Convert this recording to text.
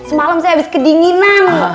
semalam saya habis kedinginan